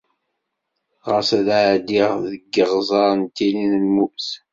Ɣas ad ɛeddiɣ deg yiɣẓer n tili n lmut.